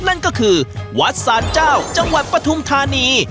นั่นก็คือวัดศาลเจ้าจังหวัดปฐุมธานี